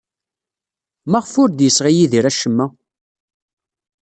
Maɣef ur d-yesɣi Yidir acemma?